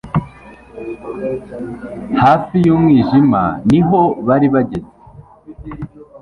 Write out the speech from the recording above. hafi y'umwijima niho bari bageze